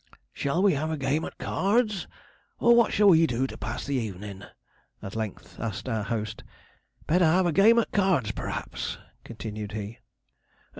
'Shall we have a game at cards? or what shall we do to pass the evenin'?' at length asked our host. 'Better have a game at cards, p'raps,' continued he.